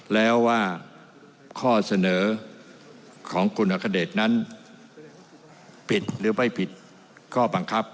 แล้วว่าข้อเสนอของคุณอัคเดชนั้นผิดหรือไม่ผิดข้อบังคับ